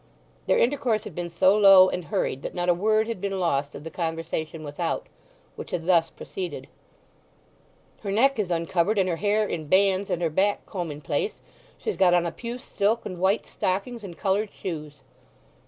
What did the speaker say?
Their intercourse had been so low and hurried that not a word had been lost of the conversation without, which had thus proceeded:— "Her neck is uncovered, and her hair in bands, and her back comb in place; she's got on a puce silk, and white stockings, and coloured shoes."